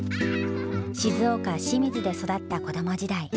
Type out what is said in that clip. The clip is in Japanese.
静岡・清水で育った子ども時代。